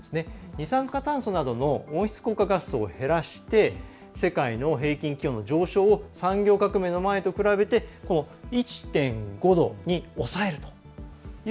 二酸化炭素などの温室効果ガスを減らして世界の平均気温の上昇を産業革命の前と比べて１．５度に抑えるという。